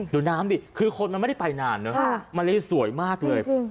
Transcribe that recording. ดูน้ำดิคือคนมันไม่ได้ไปนานเนอะมะลิสวยมากเลย